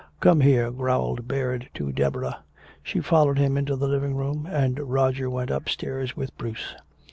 "Come here," growled Baird to Deborah. She followed him into the living room, and Roger went upstairs with Bruce.